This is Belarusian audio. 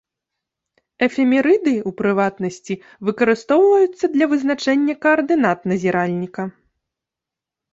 Эфемерыды, у прыватнасці, выкарыстоўваюцца для вызначэння каардынат назіральніка.